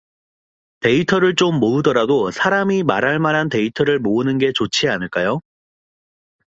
데이터를 좀 모으더라도 사람이 말할 만한 데이터를 모으는 게 좋지 않을까요?